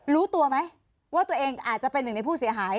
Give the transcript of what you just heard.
รู้ตัวไหมว่าตัวเองอาจจะเป็นหนึ่งในผู้เสียหาย